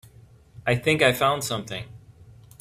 I think I found something.